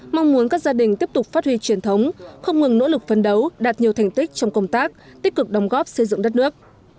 mong muốn các gia đình tiếp tục phát huy truyền thống không ngừng nỗ lực phân đấu đạt nhiều thành tích trong công tác tích cực đồng góp xây dựng đất nước